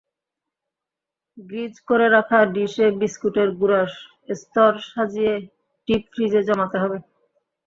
Grease করে রাখা ডিশে বিস্কুটের গুঁড়ার স্তর সাজিয়ে ডিপ ফ্রিজে জমাতে হবে।